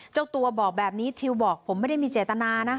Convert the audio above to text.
เจ้าตัวบอกแบบนี้ทิวบอกผมไม่ได้มีเจตนานะ